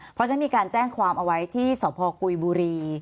เพราะฉันมีการแจ้งความเอาไว้ที่สพกุยบุรี